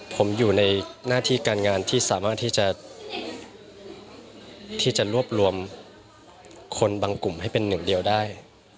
ผมอยู่ในหน้าที่การงานที่สามารถที่จะรวบรวมคนบางกลุ่มให้เป็นหนึ่งเดียวได้